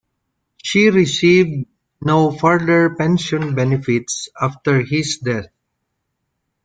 She received no further pension benefits after his death.